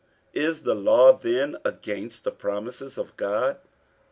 48:003:021 Is the law then against the promises of God?